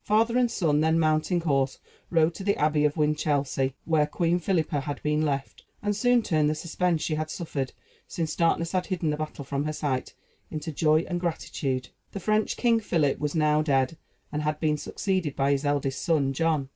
Father and son, then mounting horse, rode to the Abbey of Winchelsea, where Queen Philippa had been left, and soon turned the suspense she had suffered, since darkness had hidden the battle from her sight, into joy and gratitude. The French king, Philip, was now dead, and had been succeeded by his eldest son John.